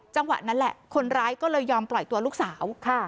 จังหวะนั้นแหละคนร้ายก็เลยยอมปล่อยตัวลูกสาว